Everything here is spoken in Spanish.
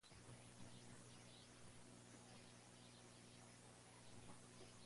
Los frutos son indehiscentes, con tres alas grandes y dos pequeñas.